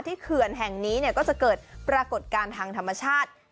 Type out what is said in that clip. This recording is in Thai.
เขื่อนแห่งนี้ก็จะเกิดปรากฏการณ์ทางธรรมชาติ